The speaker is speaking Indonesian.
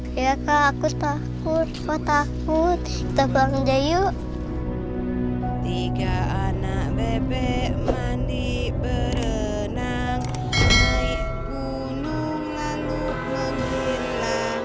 supaya nenek gayung itu juga gak muncul muncul lagi win